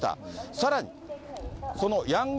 さらに、そのヤング